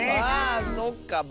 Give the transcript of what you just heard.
あそっか。